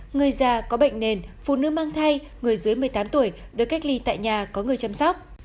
người già có bệnh nền phụ nữ mang thai người dưới một mươi tám tuổi được cách ly tại nhà có người chăm sóc